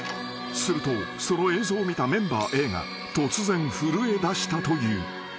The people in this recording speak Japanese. ［するとその映像を見たメンバーＡが突然震えだしたという］